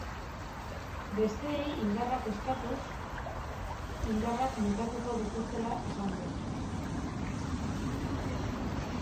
Besteei indarrak eskatuz indarrak metatuko dituztela esan du.